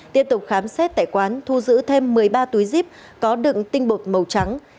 tiếp tục khám xét tại quán thu giữ thêm một mươi ba túi zip có đựng tinh bột màu trắng